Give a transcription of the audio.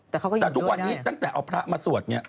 แต่เขาก็อยู่ด้วยได้แต่ถึงวันนี้ตั้งแต่เอาพระมาสวด